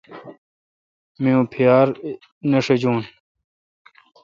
می اں پیار نہ ݭجون۔